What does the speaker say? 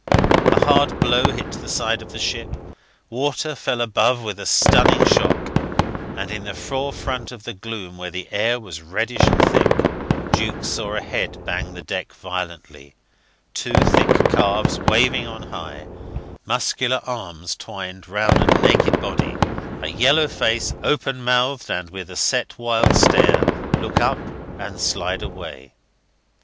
A hard blow hit the side of the ship: water fell above with a stunning shock, and in the forefront of the gloom, where the air was reddish and thick, Jukes saw a head bang the deck violently, two thick calves waving on high, muscular arms twined round a naked body, a yellow face, open mouthed and with a set wild stare, look up and slide away.